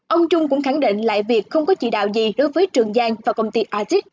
ông trung cũng khẳng định lại việc không có chỉ đạo gì đối với trường giang và công ty atic